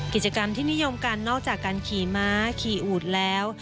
กิจกรรมที่นิยมกันนอกจากการขี่ม้าขี่อูดแล้ว